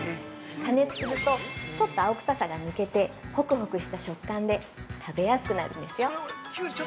加熱するとちょっと青臭さが抜けてホクホクした食感で食べやすくなるんですよ。